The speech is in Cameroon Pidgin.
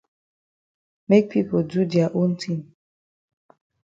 Make pipo do dia own tin.